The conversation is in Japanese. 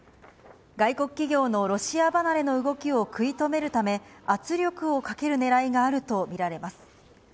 外国企業のロシア離れの動きを食い止めるため、圧力をかけるねらいがあると見られます。